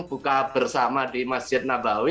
bersama di masjid nabawi